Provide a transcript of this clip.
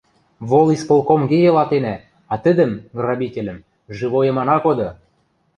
— Волисполкомге йылатенӓ, а тӹдӹм, грабительӹм, живойым ана коды!..